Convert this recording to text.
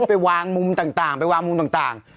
ไปวางมุมต่าง